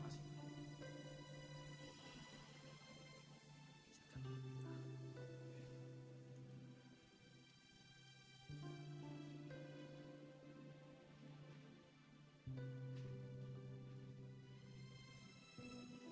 wid kamu masih dansa